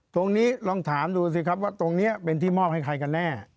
ตรงนี้ลองถามดูสิครับว่าตรงนี้เป็นที่มอบให้ใครกันแน่